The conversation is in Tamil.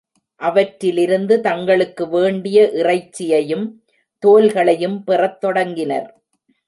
அவற்றிலிருந்து தங்களுக்கு வேண்டிய இறைச்சியையும், தோல்களையும் பெறத் தொடங்கினர்.